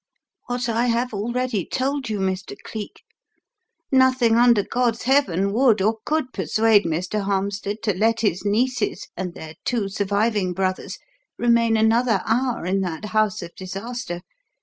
"What I have already told you, Mr. Cleek. Nothing under God's heaven would or could persuade Mr. Harmstead to let his nieces and their two surviving brothers remain another hour in that house of disaster.